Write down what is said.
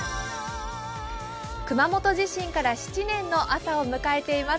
熊本地震から７年の朝を迎えています。